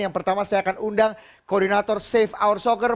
yang pertama saya akan undang koordinator safe our soccer